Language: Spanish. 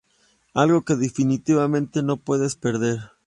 Algo que definitivamente, no te puedes perder.